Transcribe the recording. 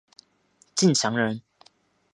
敬翔人。